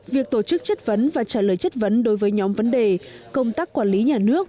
việc tổ chức chất vấn và trả lời chất vấn đối với nhóm vấn đề công tác quản lý nhà nước